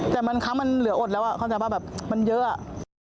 แต่บางครั้งมันเหลืออดแล้วเข้าใจป่ะแบบมันเยอะอะ